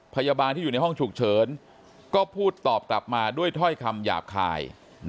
พยาบาลที่อยู่ในห้องฉุกเฉินก็พูดตอบกลับมาด้วยถ้อยคำหยาบคาย